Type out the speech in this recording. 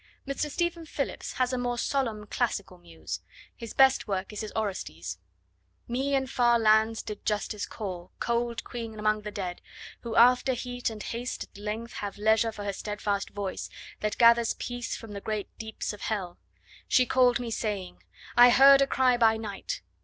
Mr. Stephen Phillips has a more solemn classical Muse. His best work is his Orestes: Me in far lands did Justice call, cold queen Among the dead, who, after heat and haste At length have leisure for her steadfast voice, That gathers peace from the great deeps of hell. She call'd me, saying: I heard a cry by night!